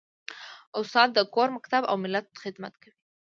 استاد د کور، مکتب او ملت خدمت کوي.